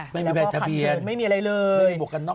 ไม่มีใบทะเบียนไม่มีบวกกันนอก